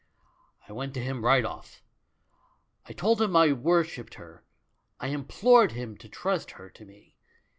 "I went to him right off. I told him I wor shipped her; I implored him to trust her to me.